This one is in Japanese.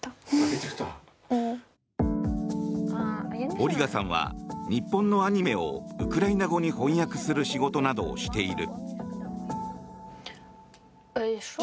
オリガさんは日本のアニメをウクライナ語に翻訳する仕事などをしている。